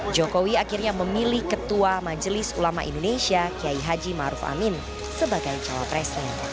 jokowi akhirnya memilih ketua majelis ulama indonesia kiai haji maruf amin sebagai cawapresnya